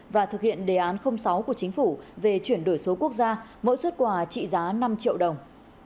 và thực hiện đề án sáu của chính phủ về chuyển đổi số quốc gia mỗi xuất quà trị giá năm triệu đồng